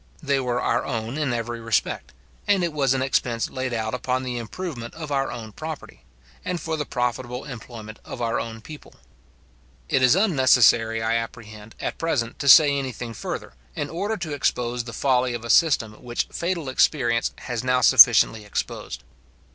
They were our own in every respect, and it was an expense laid out upon the improvement of our own property, and for the profitable employment of our own people. It is unnecessary, I apprehend, at present to say anything further, in order to expose the folly of a system which fatal experience has now sufficiently exposed.